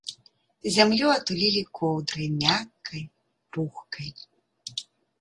Зямлю атулілі коўдрай мяккай, пухкай.